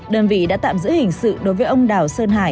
đơn vị đã tạm giữ hình sự đối với ông đào sơn hải